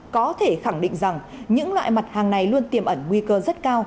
có thể khẳng định rằng những loại mặt hàng này luôn tiềm ẩn nguy cơ rất cao